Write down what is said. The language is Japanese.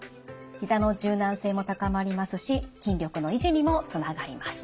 ひざの柔軟性も高まりますし筋力の維持にもつながります。